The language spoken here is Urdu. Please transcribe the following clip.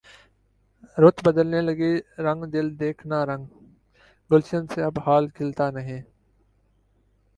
رت بدلنے لگی رنگ دل دیکھنا رنگ گلشن سے اب حال کھلتا نہیں